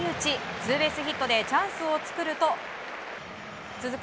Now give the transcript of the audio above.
ツーベースヒットでチャンスを作ると続く